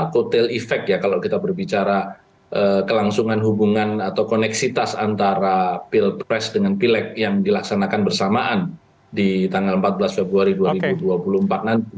kotel efek ya kalau kita berbicara kelangsungan hubungan atau koneksitas antara pilpres dengan pileg yang dilaksanakan bersamaan di tanggal empat belas februari dua ribu dua puluh empat nanti